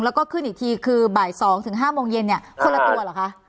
แล้วก็ขึ้นอีกทีคือบ่าย๒๕โมงเย็นเนี่ยคนละตัวเหรอคะ